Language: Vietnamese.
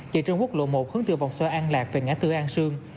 chạy trên quốc lộ một hướng từ vòng sơ an lạc về ngã tư an sương